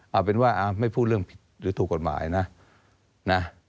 เอาเป็นว่าไม่พูดเรื่องผิดหรือถูกกฎหมายนะนะ